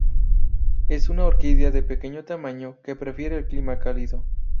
Es una orquídea de pequeño tamaño, que prefiere el clima cálido.